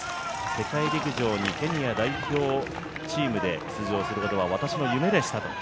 世界陸上にケニア代表チームで出場することは私の夢でしたと。